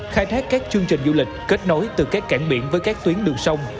khai thác các chương trình du lịch kết nối từ các cảng biển với các tuyến đường sông